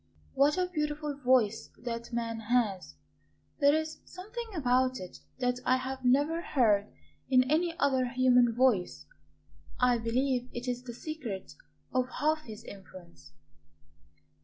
"What a beautiful voice that man has! There is something about it that I have never heard in any other human voice. I believe it is the secret of half his influence."